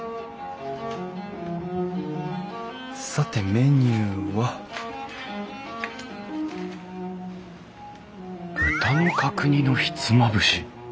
さてメニューは豚の角煮のひつまぶし。